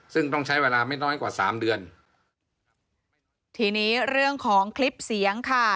ซึ่งต้องใช้เวลาไม่น้อยกว่าสามเดือนทีนี้เรื่องของคลิปเสียงค่ะ